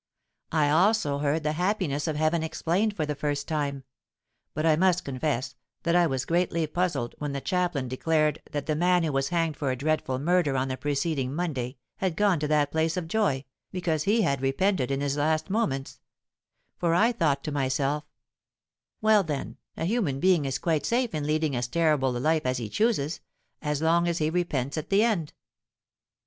I also heard the happiness of heaven explained for the first time: but I must confess that I was greatly puzzled when the chaplain declared that the man who was hanged for a dreadful murder on the preceding Monday, had gone to that place of joy, because he had repented in his last moments—for I thought to myself, 'Well, then, a human being is quite safe in leading as terrible a life as he chooses, as long as he repents at the end.'